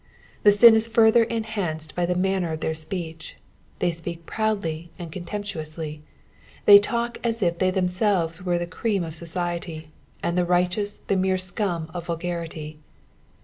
The sin is further enhanced by the manner of their speech ; they speak proudly and coDtcmptnoualy ; the; talk as if the; themselves were the cream of society, and the righteous the mere scum of vulgarity.